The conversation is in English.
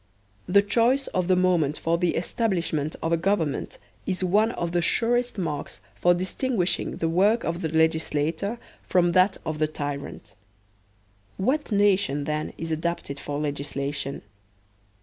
The choice of the moment for the establishment of a government is one of the 44 THE SOCIAL CONTRACT surest marks for distinguishing the work of the legislator from that of the tyrant. What nation, then, is adapted for legislation